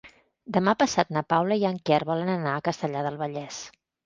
Demà passat na Paula i en Quer volen anar a Castellar del Vallès.